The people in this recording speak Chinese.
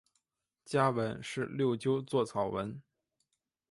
家纹是六鸠酢草纹。